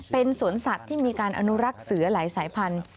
เป็นสวนสัตว์ที่มีการอนุรักษ์เสือหลายสายพันธุ